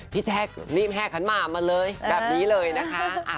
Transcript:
พี่แจ๊ครีบแห่ขันหมากมาเลยแบบนี้เลยนะคะ